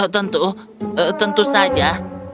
tentu tentu saja